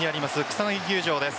草薙球場です。